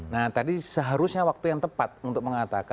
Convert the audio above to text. nah tadi seharusnya waktu yang tepat untuk mengatakan